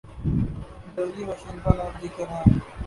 Delhi, Washington اور ''دیگر" ہیں۔